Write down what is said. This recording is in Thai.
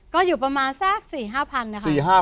ก็อยู่ประมาณสัก๔๕พันบาท